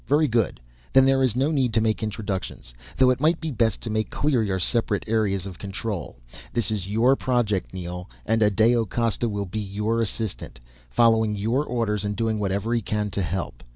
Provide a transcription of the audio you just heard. Very good then there is no need to make introductions. Though it might be best to make clear your separate areas of control. This is your project Neel, and Adao Costa will be your assistant, following your orders and doing whatever he can to help.